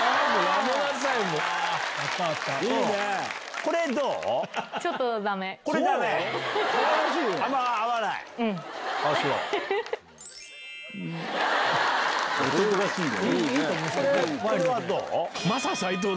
これはどう？